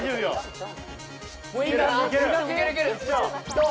どう？